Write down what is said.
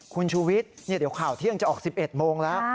คุณชูวิทย์เดี๋ยวข่าวเที่ยงจะออก๑๑โมงแล้ว